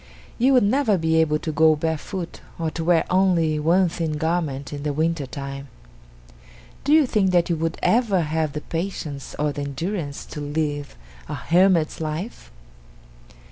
You would never be able to go barefoot or to wear only one thin garment in the winter time! Do you think that you would ever have the patience or the endurance to live a hermit's life?